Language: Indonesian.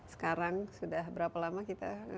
sekarang sudah berapa lama kita